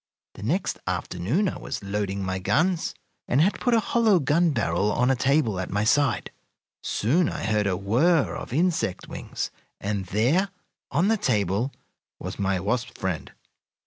The next afternoon I was loading my guns, and had put a hollow gun barrel on a table at my side. Soon I heard a whir of insect wings, and there, on the table, was my wasp friend.